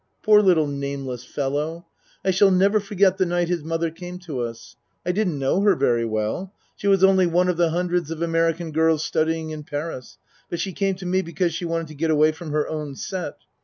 Poor little nameless fellow! I shall never forget the night his mother came to us. I didn't know her very well she was only one of the hundreds of American girls studying in Paris but she came to me because she wanted to get away from her own set.